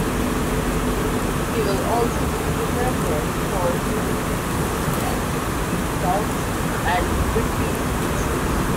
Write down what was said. He will also be remembered for his enthusiastic team talks and witty speeches.